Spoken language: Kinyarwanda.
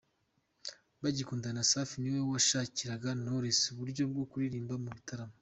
Bagikundana, Safi niwe washakiraga Knowless uburyo bwo kuririmba mu bitaramo.